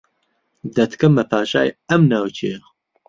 دەتکەم بە پاشای ئەم ناوچەیە